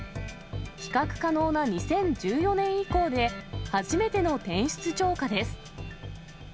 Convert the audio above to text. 比較可能な２０１４年以降で、初めての転出超過です。